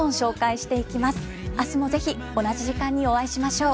明日もぜひ同じ時間にお会いしましょう。